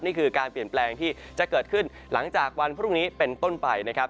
นี่คือการเปลี่ยนแปลงที่จะเกิดขึ้นหลังจากวันพรุ่งนี้เป็นต้นไปนะครับ